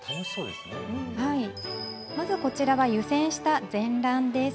まず、こちらは湯煎した全卵です。